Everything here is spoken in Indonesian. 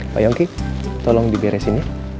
pak yongki tolong diberesin